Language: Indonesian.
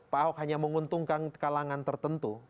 pak ahok hanya menguntungkan kalangan tertentu